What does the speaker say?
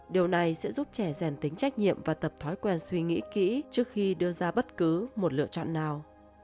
điều này sẽ giúp trẻ rèn tính trách nhiệm và tập thói quen suy nghĩ kỹ trước khi đưa ra bất cứ một lựa chọn nào